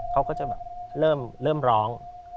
เขาก็จะแบบเริ่มร้อง